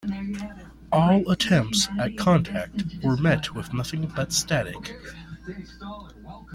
All attempts at contact were met with nothing but static.